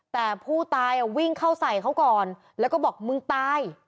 แต่ผู้ตายวิ่งเข้าใส่เขาก่อนแล้วก็บอกมึงตาย